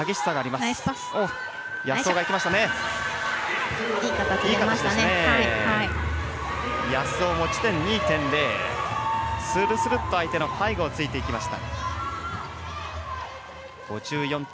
するするっと相手の背後をついていきました。